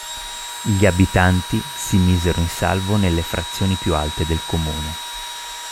Gli abitanti si misero in salvo nelle frazioni più alte del comune.